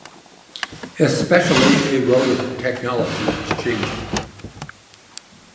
Especially a rotor technology was changing.